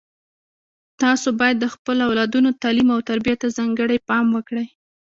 تاسو باید د خپلو اولادونو تعلیم او تربیې ته ځانګړی پام وکړئ